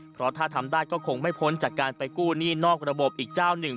เพราะถ้าทำได้ก็คงไม่พ้นจากการไปกู้หนี้นอกระบบอีกเจ้าหนึ่ง